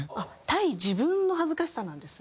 対自分の恥ずかしさなんですね。